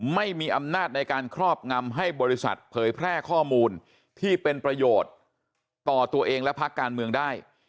ไม่มีอำนาจในการครอบงำให้บริษัทเผยแพร่ข้อมูลที่เป็นประโยชน์ต่อตัวเองและพักการเมืองได้